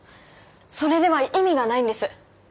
それでは意味がないんです。